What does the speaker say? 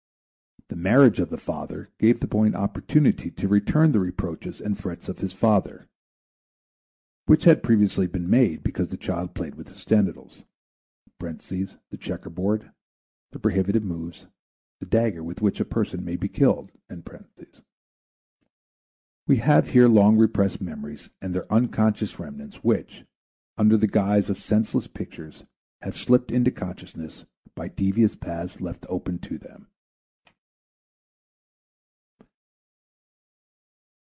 The marriage of the father gave the boy an opportunity to return the reproaches and threats of his father which had previously been made because the child played with his genitals (the checkerboard; the prohibitive moves; the dagger with which a person may be killed). We have here long repressed memories and their unconscious remnants which, under the guise of senseless pictures have slipped into consciousness by devious paths left open to them.